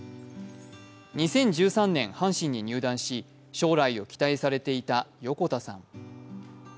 ２０１３年、阪神に入団し将来を期待されていた横田さん。